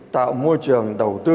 tạo môi trường đầu tư